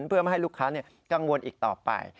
เพื่อไม่ให้ลูกค้ากังวลอีกต่อไป